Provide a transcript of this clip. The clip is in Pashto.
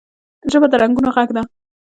ژبه د رنګونو غږ ده